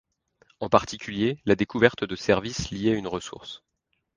En particulier, la découverte de services liés à une ressource.